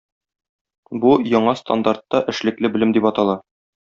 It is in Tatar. Бу - яңа стандартта эшлекле белем дип атала.